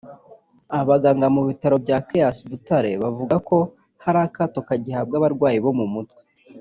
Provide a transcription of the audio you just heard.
Abaganga mu bitaro bya Caraes Butare bavuga ko hari akato kagihabwa abarwayi bo mu mutwe